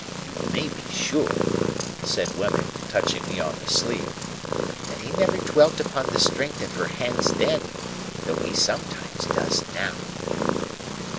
You may be sure," said Wemmick, touching me on the sleeve, "that he never dwelt upon the strength of her hands then, though he sometimes does now."